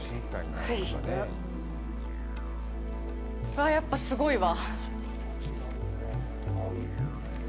わあ、やっぱすごいわ。